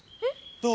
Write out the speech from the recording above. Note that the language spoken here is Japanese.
どう？